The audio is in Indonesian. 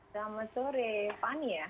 selamat sore fani ya